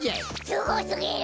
すごすぎる！